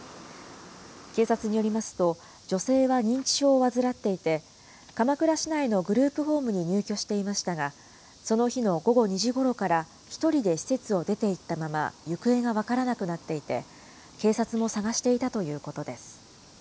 警察によりますと、女性は認知症を患っていて、鎌倉市内のグループホームに入居していましたが、その日の午後２時ごろから１人で施設を出ていったまま行方が分からなくなっていて、警察も探していたということです。